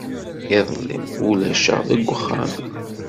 Iḍelli, ulac-aɣ deg uxxam.